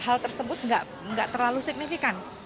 hal tersebut tidak terlalu signifikan